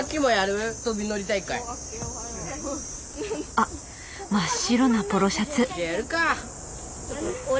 あっ真っ白なポロシャツ。